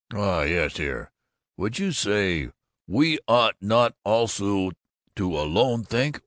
oh, yes, here. Would you say 'We ought not also to alone think?